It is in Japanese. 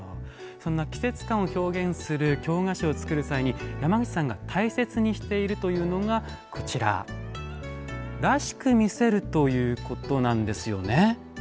そんな季節感を表現する京菓子を作る際に山口さんが大切にしているというのがこちら「らしく見せる」ということなんですよね。